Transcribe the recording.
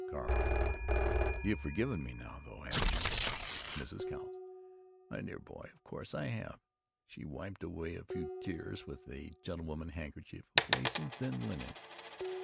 Carl: "You've forgiven me now, though, haven't you?" Mrs. Cowles: "My dear boy, of course I have!" (She wiped away a few tears with a gentlewoman handkerchief of lace and thin linen.